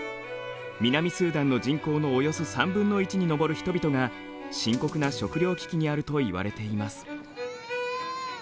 南スーダンの人口のおよそに上る人々が深刻な食料危機にあるといわれています。